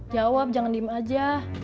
jawab jangan diem aja